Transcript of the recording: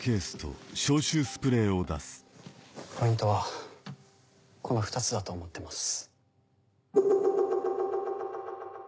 ポイントはこの２つだと思ってます。